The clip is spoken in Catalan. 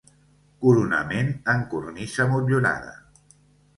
Coronament en cornisa motllurada.